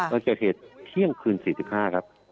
ตอนเกิดเหตุเที่ยงคืนสี่สิบห้าครับ